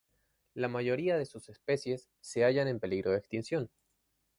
La mayoría de sus especies se hallan en peligro de extinción.